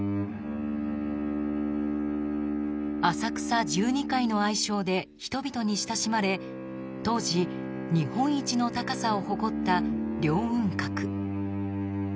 浅草十二階の愛称で人々に親しまれ当時、日本一の高さを誇った凌雲閣。